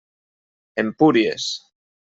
Empúries.